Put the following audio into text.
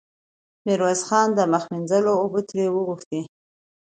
ميرويس خان د مخ مينځلو اوبه ترې وغوښتې.